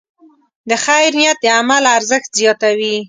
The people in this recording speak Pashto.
د خیر نیت د عمل ارزښت زیاتوي.